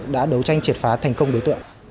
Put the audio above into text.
đã đấu tranh triệt phá thành công đối tượng